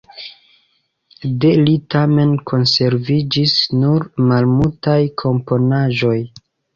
De li tamen konserviĝis nur malmultaj komponaĵoj.